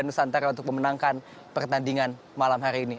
nusantara untuk memenangkan pertandingan malam hari ini